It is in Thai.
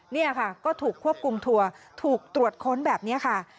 นี่ค่ะก็ถูกควบคุมทัวร์ถูกตรวจค้นแบบนี้ค่ะ